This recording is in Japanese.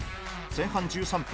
前半１３分。